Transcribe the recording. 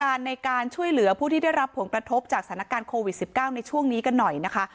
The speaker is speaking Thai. ในการช่วยเหลือผู้ที่ได้รับผลกระทบจากสถานการณ์โควิด๑๙ในช่วงนี้กันหน่อยนะคะ